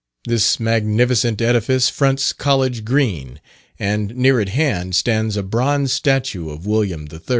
This magnificent edifice fronts College Green, and near at hand stands a bronze statue of William III.